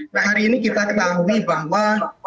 nah hari ini kita ketahui bahwa